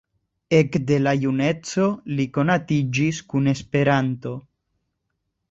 Ekde la juneco li konatiĝis kun Esperanto.